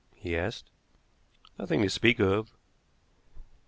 he asked. "Nothing to speak of."